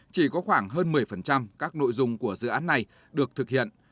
chỉ có khoảng hơn một mươi các nội dung của dự án này được thực hiện